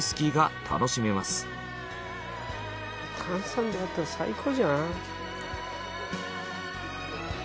炭酸で割ったら最高じゃん！